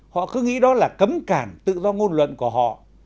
họ cứ nghĩ đó là cấm cản tự do ngôn luận của họ